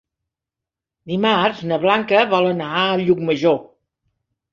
Dimarts na Blanca vol anar a Llucmajor.